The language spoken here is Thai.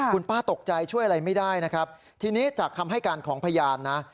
คุณป้าตกใจช่วยอะไรไม่ได้นะครับทีนี้จากคำให้การของพยานนะ